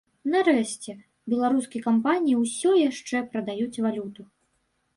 Нарэшце, беларускі кампаніі ўсё яшчэ прадаюць валюту.